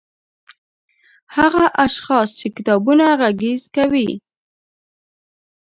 هغه اشخاص چې کتابونه غږيز کوي